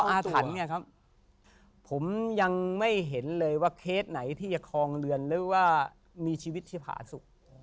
อ้าทันผมยังไม่เห็นเลยว่าเคสไหนที่จะคลองเลือนหรือว่ามีชีวิตที่ผ่าสุข